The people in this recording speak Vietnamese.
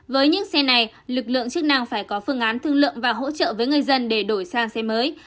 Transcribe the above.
với những xe này lực lượng chức năng phải có phương án thương lượng và hỗ trợ với người dân để đổi sang xe mới